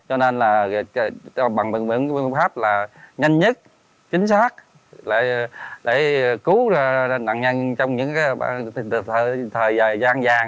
cho nên bằng bình luận pháp là nhanh nhất chính xác để cứu nặng nhanh trong những thời gian vàng